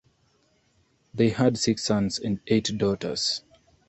They had six sons and eight daughters.